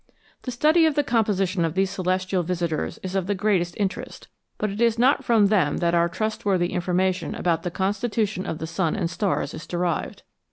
The study of the composition of these celestial visitors is of the greatest interest, but it is not from them that our trustworthy information about the constitution of the sun and stars is derived.